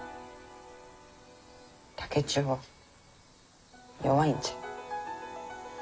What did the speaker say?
竹千代は弱いんじゃ。